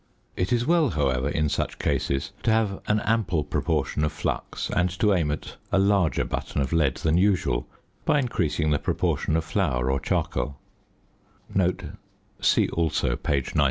It is well, however, in such cases to have an ample proportion of flux and to aim at a larger button of lead than usual by increasing the proportion of flour or charcoal (see also page 91).